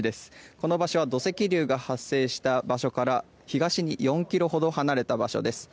この場所は土石流が発生した場所から東に４ｋｍほど離れた場所です。